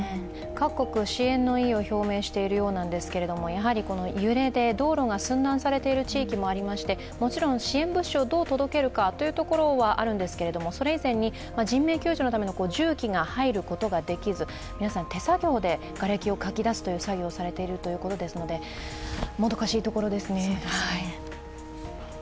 各国、支援の意を表明しているようですが、やはり揺れで道路が寸断されている地域もありましてもちろん支援物資をどう届けるかということもあるんですがそれ以前に人命救助のための重機が入ることができず皆さん、手作業でがれきをかき出す作業をされているということですのでもどかしいところですね。